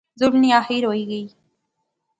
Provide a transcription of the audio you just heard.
ظلم نی آخیر ہوئی گئی